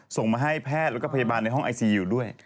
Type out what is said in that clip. ส่งมาให้แพทย์แล้วก็พยาบาลในห้องไอซีอยู่ด้วย